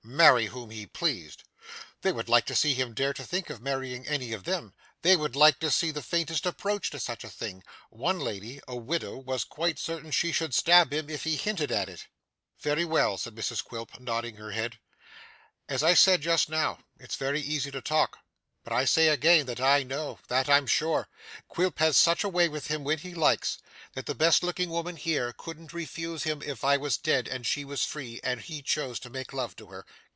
Marry whom he pleased! They would like to see him dare to think of marrying any of them; they would like to see the faintest approach to such a thing. One lady (a widow) was quite certain she should stab him if he hinted at it. 'Very well,' said Mrs Quilp, nodding her head, 'as I said just now, it's very easy to talk, but I say again that I know that I'm sure Quilp has such a way with him when he likes, that the best looking woman here couldn't refuse him if I was dead, and she was free, and he chose to make love to her.